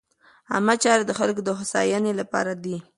عامه چارې د خلکو د هوساینې لپاره دي.